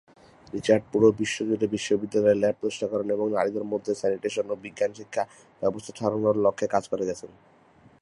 Richard পুরো বিশ্বজুড়ে বিশ্ববিদ্যালয়ে ল্যাব প্রতিষ্ঠা করেন এবং নারীদের মধ্যে স্যানিটেশন ও বিজ্ঞান শিক্ষা ব্যবস্থা ছড়ানোর লক্ষ্যে কাজ করে গেছেন।